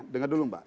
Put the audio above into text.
dengar dulu mbak